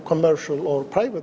komersial atau pribadi